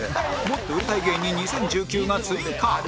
もっと売れたい芸人２０１９が追加